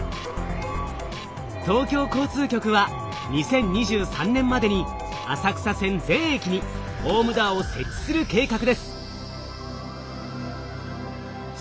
東京交通局は２０２３年までに浅草線全駅にホームドアを設置する計画です。